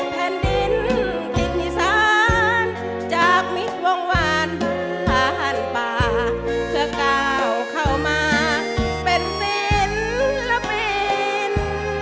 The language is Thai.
แผ่นดินกิจพิษานจากมิควงวานหลานป่าเค้าก้าวเข้ามาเป็นศิลปิน